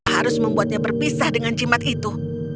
harus membuatnya berpisah dengan jimat itu